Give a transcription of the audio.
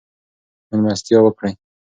مېلمستیا وکړئ.